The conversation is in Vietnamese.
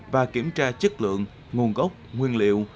và kiểm tra chất lượng nguồn gốc nguyên liệu